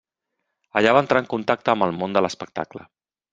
Allà va entrar en contacte amb el món de l'espectacle.